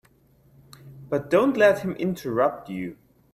But don't let him interrupt you.